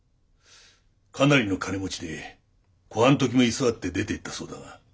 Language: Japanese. かなりの金持ちで小半時も居座って出てったそうだが。